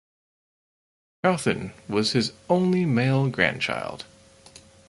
Cauthen was his only male grandchild.